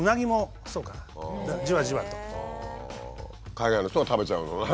海外の人が食べちゃうのね。